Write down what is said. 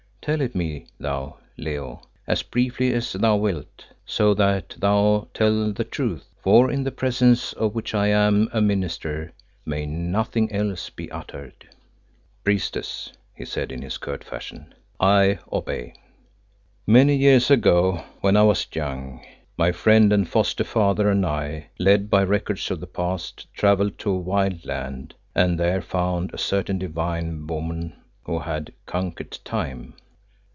Tell it me, thou, Leo, as briefly as thou wilt, so that thou tell the truth, for in the Presence of which I am a Minister, may nothing else be uttered." "Priestess," he said, in his curt fashion, "I obey. Many years ago when I was young, my friend and foster father and I, led by records of the past, travelled to a wild land, and there found a certain divine woman who had conquered time."